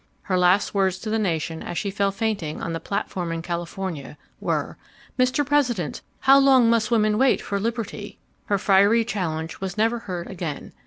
Her last words to the nation as she fell fainting on the platform in California were, "Mr. President, how long must women wait for liberty?" Her fiery challenge was never heard again.